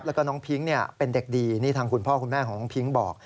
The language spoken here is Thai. แล้วก็น้องพิ้งเป็นเด็กดีนี่ทางคุณพ่อคุณแม่ของน้องพิ้งบอก